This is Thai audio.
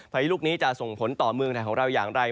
พายุลูกนี้จะส่งผลต่อเมืองไทยของเราอย่างไร